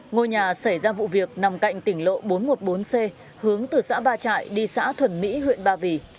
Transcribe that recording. ngôi nhà xảy ra vụ việc nằm cạnh tỉnh lộ bốn trăm một mươi bốn c hướng từ xã ba trại đi xã thuần mỹ huyện ba vì